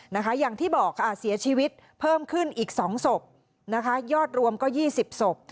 สีอาชีวิตเพิ่มขึ้นอีก๒ศพยอดรวม๒๐ศพ